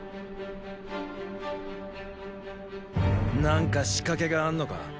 何か仕掛けがあんのか？